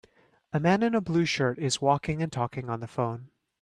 A man in a blue shirt is walking and talking on the phone.